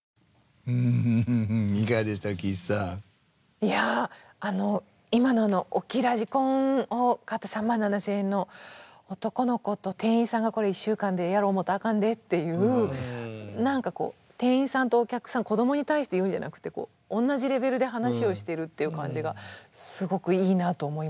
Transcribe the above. いやあの今の大きいラジコンを買った３万７，０００円の男の子と店員さんが「これ１週間でやろう思うたらあかんで」っていう何か店員さんとお客さん子どもに対して言うんじゃなくて同じレベルで話をしてるっていう感じがすごくいいなと思いました。